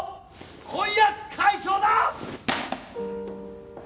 婚約解消だ！